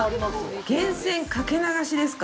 源泉かけ流しですか。